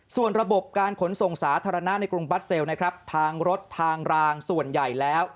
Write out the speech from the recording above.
ส่วนระบบการขนส่งสาธารณะในกรุงบัสเซลนะครับทางรถทางรางส่วนใหญ่แล้ว